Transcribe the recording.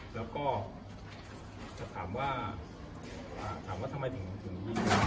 แล้วก็ถามว่าทำไมถึง๒๐นิยม